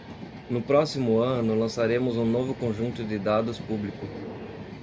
No próximo ano, lançaremos um novo conjunto de dados público.